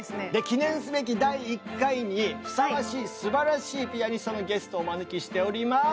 記念すべき第１回にふさわしいすばらしいピアニストのゲストをお招きしております！